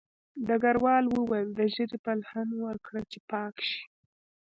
ډګروال وویل د ږیرې پل هم ورکړه چې پاک شي